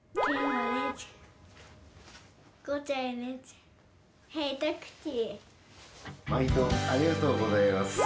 まいどありがとうございます。